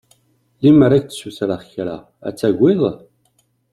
Lemmer ad k-ssutreɣ kra ad tagiḍ?